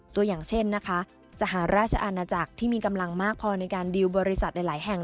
ตัวอย่างเช่นนะคะสหราชอาณาจักรที่มีกำลังมากพอในการดิวบริษัทหลายแห่ง